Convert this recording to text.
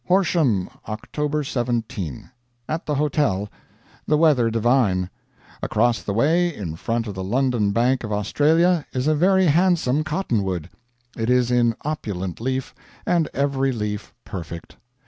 "Horsham, October 17. At the hotel. The weather divine. Across the way, in front of the London Bank of Australia, is a very handsome cottonwood. It is in opulent leaf, and every leaf perfect.